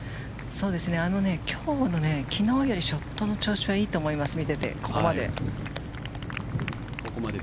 今日の昨日よりショットの調子はいいと思います、見ててここまで。